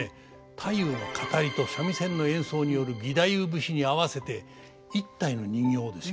太夫の語りと三味線の演奏による義太夫節に合わせて１体の人形をですよ